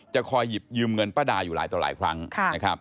คอยหยิบยืมเงินป้าดาอยู่หลายต่อหลายครั้งนะครับ